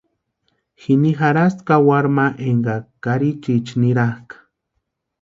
Jini jarhasti kawaru ma énka karichiicha nirakʼa.